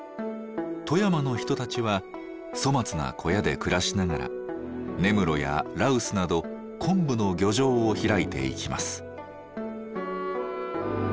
富山の人たちは粗末な小屋で暮らしながら根室や羅臼など昆布の漁場を開いていきます。